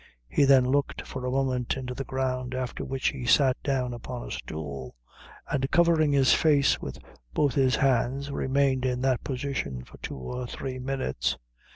He then looked for a moment into the ground, after which he sat down upon a stool, and covering his face with both his hands, remained in that position for two or three minutes.